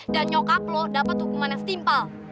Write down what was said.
dan nyokap lo dapat hukuman yang setimpal